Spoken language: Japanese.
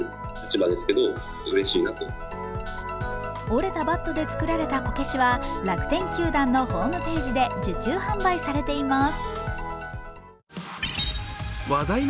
折れたバットで作られたこけしは楽天球団のホームページで受注販売されています。